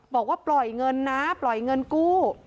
บอกว่าปล่อยเงินนะปล่อยเงินกู้